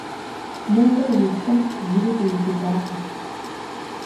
Нобэ уи хъым зыри къиубыдакъым.